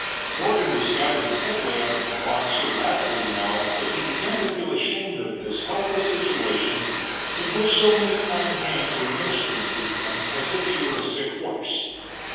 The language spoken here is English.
Morgan was gathering headway out of the fog so rapidly now that he began to feel ashamed of this helpless situation in which so many kind hands were ministering to him as if he were a sick horse.